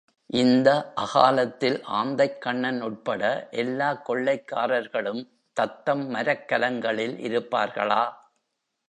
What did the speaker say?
இந்த அகாலத்தில் ஆந்தைக்கண்ணன் உட்பட எல்லாக் கொள்ளைக்காரர்களும் தத்தம் மரக்கலங்களில் இருப்பார்களா?